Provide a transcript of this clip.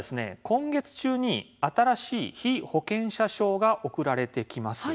今月中に新しい被保険者証が送られてきます。